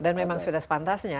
dan memang sudah sepantasnya